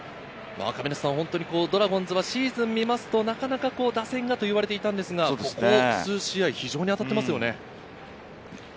ドラゴンズはシーズンを見るとなかなか打線がといわれていたんですが、数試合、非常に当たってますね。